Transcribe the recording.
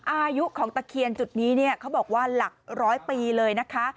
อายุของตะเคียนจุดนี้เนี่ยเขาบอกว่าหลักร้อยปีเลยนะคะ